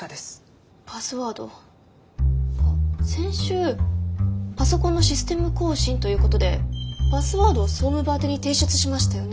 あっ先週パソコンのシステム更新ということでパスワードを総務部宛てに提出しましたよね？